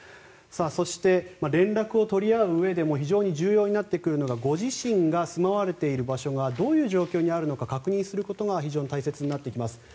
そして、連絡を取り合ううえでも非常に重要になってくるのがご自身が住まわれている場所がどういう状況にあるのか確認することが非常に大切になってきます。